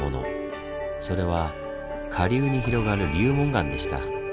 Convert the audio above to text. それは下流に広がる流紋岩でした。